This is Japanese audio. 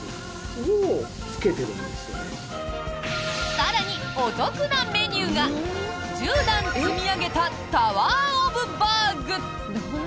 更にお得なメニューが１０段積み上げたタワー・オブ・バーグ。